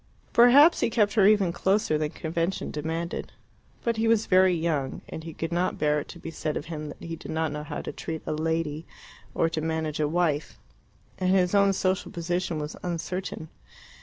Perhaps he kept her even closer than convention demanded. But he was very young, and he could not bear it to be said of him that he did not know how to treat a lady or to manage a wife. And his own social position was uncertain.